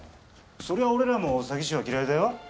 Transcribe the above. それは俺らも詐欺師は嫌いだよ